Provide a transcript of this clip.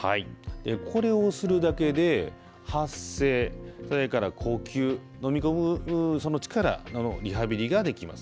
これをするだけで発声それから呼吸、飲み込む力のリハビリができます。